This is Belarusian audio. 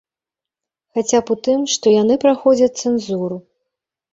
Хаця б у тым, што яны праходзяць цэнзуру.